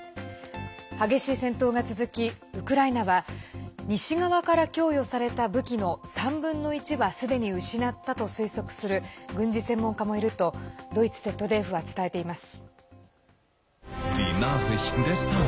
激しい戦闘が続き、ウクライナは西側から供与された武器の３分の１はすでに失ったと推測する軍事専門家もいるとドイツＺＤＦは伝えています。